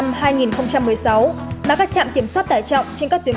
mà các trạm kiểm soát tải trọng trên các tuyến khuôn lộ ở khu vực phía nam